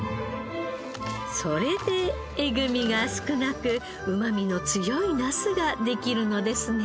それでえぐみが少なくうまみの強いナスができるのですね。